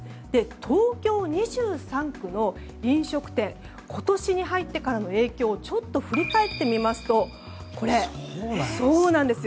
東京２３区の飲食店への今年に入ってからの影響少し振り返ってみますとそうなんですよ。